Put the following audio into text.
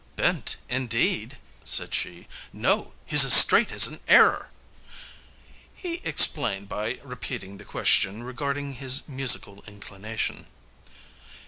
"Bent, indeed!" said she; "no, he's as straight as an error." He explained by repeating the question regarding his musical inclination.